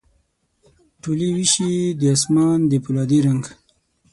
ټولي ویشي د اسمان د پولا دي رنګ،